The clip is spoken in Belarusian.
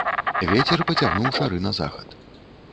Вецер пацягнуў шары на захад.